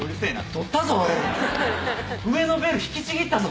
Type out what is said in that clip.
取ったぞ⁉上のベル引きちぎったぞ